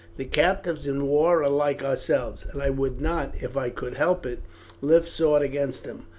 The captives in war are like ourselves, and I would not, if I could help it, lift sword against them.